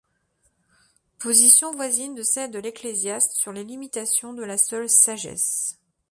Position voisine de celle de l'Ecclésiaste sur les limitations de la seule sagesse.